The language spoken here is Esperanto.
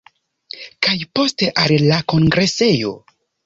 Kaj poste al la kongresejo.